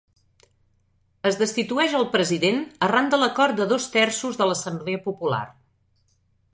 Es destitueix el president arran de l'acord de dos terços de l'Assemblea Popular.